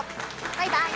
バイバイ。